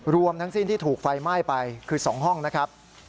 รวมทั้งสิ้นที่ถูกไฟไหม้ไปคือ๒ห้องนะครับ